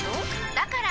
だから！